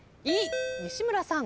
西村さん。